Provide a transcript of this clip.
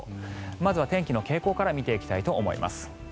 まずは天気の傾向から見ていきたいと思います。